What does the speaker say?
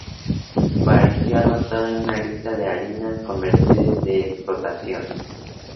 Apareció anotado en la lista de harinas, con mercedes de exportación.